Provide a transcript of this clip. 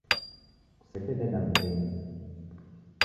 Kusekededa mbenyu